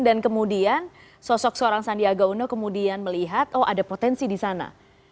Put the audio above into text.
dan kemudian sosok seorang sandiaga uno kemudian melihat oh ada potensi disana